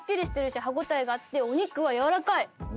してるし歯応えがあってお肉はやわらかい。